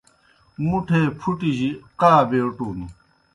مُٹھے پُھٹیْ جیْ قاء بیٹُن۔